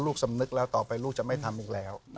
สำนึกแล้วต่อไปลูกจะไม่ทำอีกแล้ว